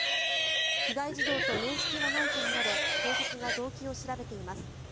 被害児童と面識はないとみられ警察が動機を調べています。